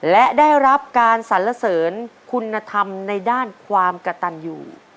และได้รับการสรรเสริญคุณธรรมในด้านความกระตันอยู่